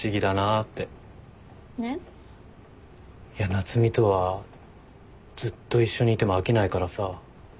夏海とはずっと一緒にいても飽きないからさ。